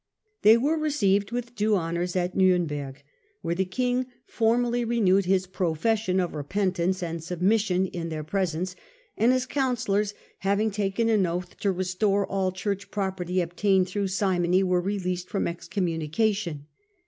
They were received with due honours at Ntlrnberg, where the king formally renewed his profession of re pentance and submission in their presence, and his counsellors having taken an oath to restore all Church property obtained through simony were released from excommunication.